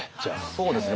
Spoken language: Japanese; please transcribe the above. そうですね。